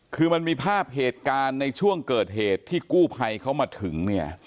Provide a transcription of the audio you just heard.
คือมันมีภาพเหตุการณ์ในช่วงเกิดเหตุที่กู้ภัยเขามาถึงเนี่ย